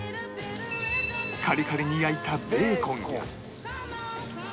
カリカリに焼いたベーコンや